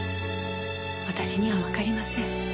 私にはわかりません。